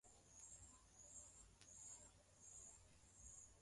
Rais Samia amesema hayo wakati akihutubia katika Mkutano wa Mwaka